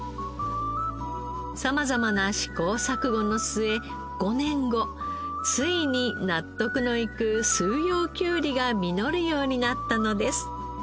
様々な試行錯誤の末５年後ついに納得のいく四葉きゅうりが実るようになったのです。